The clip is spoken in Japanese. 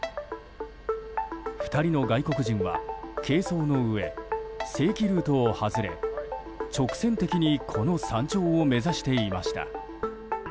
２人の外国人は軽装のうえ正規ルートを外れ直線的にこの山頂を目指していました。